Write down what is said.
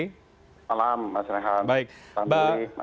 selamat malam mas renha